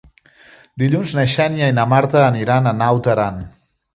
Dilluns na Xènia i na Marta aniran a Naut Aran.